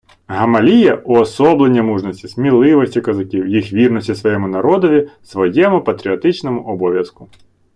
Гамалія — уособлення мужності, сміливості козаків, їх вірності своєму народові, своєму патріотичному обов'язку